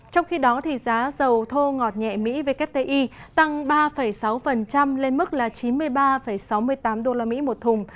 trong khi đó giá dầu thô ngọt nhẹ mỹ wti tăng ba sáu lên mức là chín mươi ba sáu mươi tám usd một thùng